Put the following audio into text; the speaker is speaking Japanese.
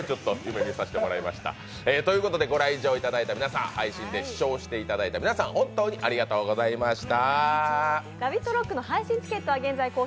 ご来場いただいた皆さん配信で視聴していただいた皆さん、本当にありがとうございました。